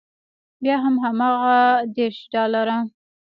بیا هم هماغه دېرش ډالره.